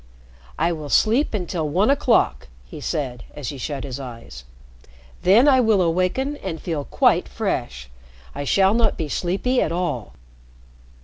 "I will sleep until one o'clock," he said as he shut his eyes. "Then I will awaken and feel quite fresh. I shall not be sleepy at all."